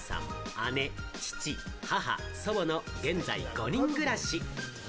姉、父、母、祖母の現在５人暮らし。